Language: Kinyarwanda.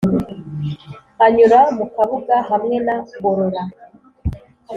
a nyura mu kabuga hamwe na gorora